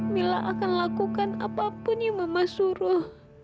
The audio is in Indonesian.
mila akan lakukan apapun yang mama suruh